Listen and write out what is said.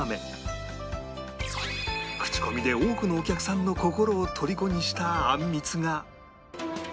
口コミで多くのお客さんの心をとりこにしたあんみつが